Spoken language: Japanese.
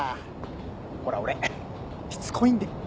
ほら俺しつこいんで。